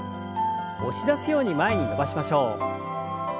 押し出すように前に伸ばしましょう。